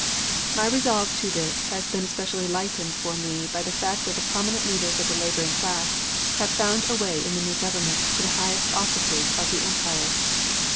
My resolve to this has been especially lightened for me by the fact that prominent leaders of the laboring class have found a way in the new government to the highest offices of the Empire.